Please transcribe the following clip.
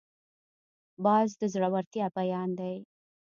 باز د زړورتیا بیان دی